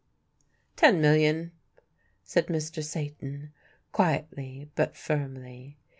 "Ten million," said Mr. Satan, quietly but firmly.